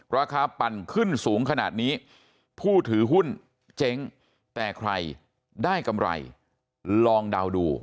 ปั่นขึ้นสูงขนาดนี้ผู้ถือหุ้นเจ๊งแต่ใครได้กำไรลองเดาดู